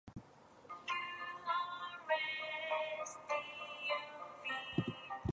His parents were James Miller McKim, a Presbyterian minister, and Sarah Speakman McKim.